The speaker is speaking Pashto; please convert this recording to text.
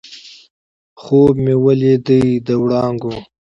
خوب مې ولیدی د وړانګو